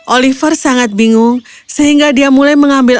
oliver sangat bingung sehingga dia mulai mengambil